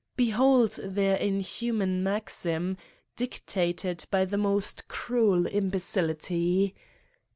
Behold their inhuman maxim, dictated by the most cruel imbecility.